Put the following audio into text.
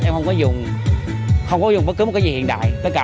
em không có dùng bất cứ một cái gì hiện đại